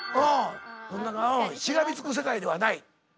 しがみつく世界ではない。